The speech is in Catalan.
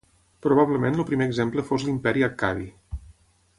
Probablement el primer exemple fos l'imperi accadi.